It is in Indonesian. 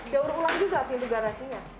daur ulang juga pintu garasinya